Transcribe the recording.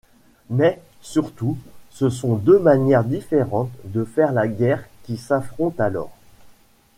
Mais, surtout, ce sont deux manières différentes de faire la guerre qui s’affrontent alors.